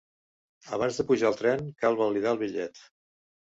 Abans de pujar al tren cal validar el bitllet.